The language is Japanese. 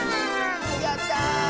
やった！